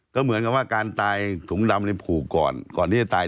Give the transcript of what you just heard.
ก็เหมือนกับว่าการตายถุงดำผูกก่อนก่อนที่จะตาย